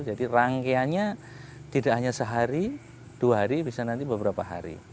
jadi rangkaiannya tidak hanya sehari dua hari bisa nanti beberapa hari